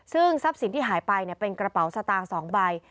ซึ่งทรัพย์สินที่หายไปเป็นกระเป๋าสตางค์๒ใบ